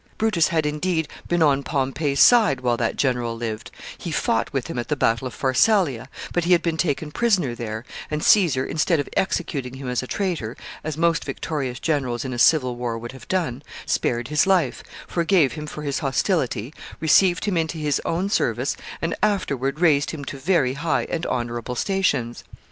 Brutus had, indeed, been on Pompey's side while that general lived; he fought with him at the battle of Pharsalia, but he had been taken prisoner there, and Caesar, instead of executing him as a traitor, as most victorious generals in a civil war would have done, spared his life, forgave him for his hostility, received him into his own service, and afterward raised him to very high and honorable stations.